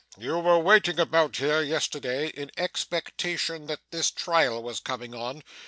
You were waiting about here, yesterday, in expectation that this trial was coming on.